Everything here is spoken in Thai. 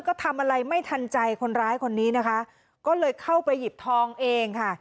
ก็ทำอะไรไม่ทันใจคนร้ายคนนี้นะคะก็เลยเข้าไปหยิบทองเองค่ะ